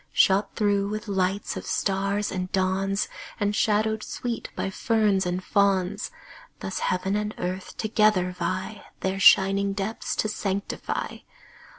Shot through with lights of stars and dawns, And shadowed sweet by ferns and fawns, Thus heaven and earth together vie Their shining depths to sanctify.